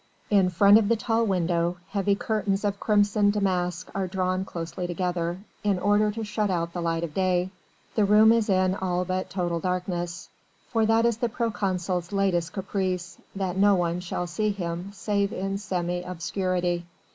In front of the tall window, heavy curtains of crimson damask are drawn closely together, in order to shut out the light of day: the room is in all but total darkness: for that is the proconsul's latest caprice: that no one shall see him save in semi obscurity.